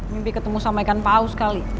mimpi ketemu sama ikan paus kali